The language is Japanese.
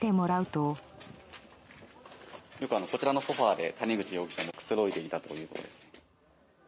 よくこちらのソファで谷口容疑者がくつろいでいたということです。